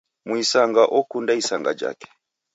Muisanga okunda isanga jake.